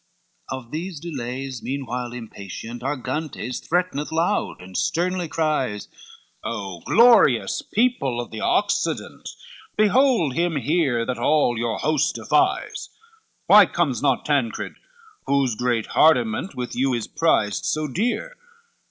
LXXIII Of these delays meanwhile impatient, Argantes threateneth loud and sternly cries, "O glorious people of the Occident! Behold him here that all your host defies: Why comes not Tancred, whose great hardiment, With you is prized so dear?